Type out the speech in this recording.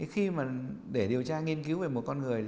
khi mà để điều tra nghiên cứu về một con người